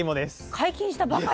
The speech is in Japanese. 解禁したばかりだ。